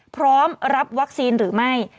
พร้อมรับวัคซีนหรือไม่